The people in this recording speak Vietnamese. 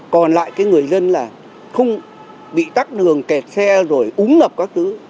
còn lại cái người dân là không bị tắt đường kẹt xe rồi úng ngập các thứ